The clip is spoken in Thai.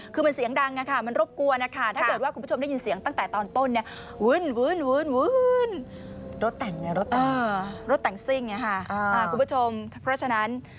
คุณผู้ชมเพื่อฉะนั้น